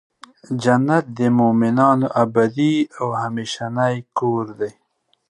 جنت د مؤمنانو ابدې او همیشنی کور دی .